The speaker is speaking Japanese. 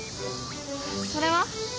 それは？